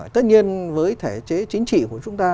tất nhiên với thể chế chính trị của chúng ta